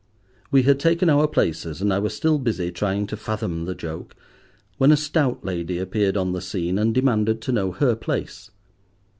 We had taken our places, and I was still busy trying to fathom the joke, when a stout lady appeared on the scene, and demanded to know her place.